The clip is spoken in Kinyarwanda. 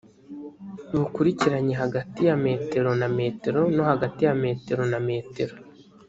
bukurikiranye hagati ya metero na metero no hagati ya metero na metero